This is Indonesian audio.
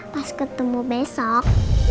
pas ketemu besok